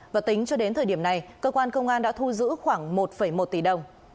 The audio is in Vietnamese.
và tính cho đến thời điểm này cơ quan công an đã thu giữ khoảng một một tỷ đồng